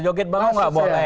joget bangau nggak boleh